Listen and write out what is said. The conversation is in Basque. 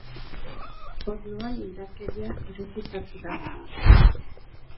Pornoan indarkeria erotizatu da.